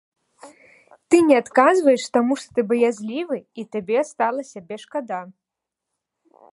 Ты не адказваеш, таму што ты баязлівы і табе стала сябе шкада.